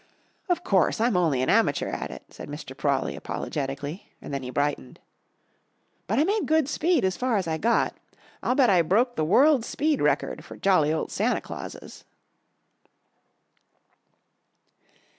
"Of course, I'm only an amateur at it," said Mr. Prawley apologetically, and then he brightened, "but I made good speed as far as I got. I'll bet I broke the world's speed record for jolly old Santa Clauses!"